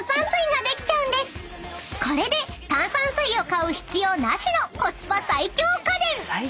［これで炭酸水を買う必要なしのコスパ最強家電］